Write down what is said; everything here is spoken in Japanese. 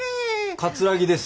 桂木です。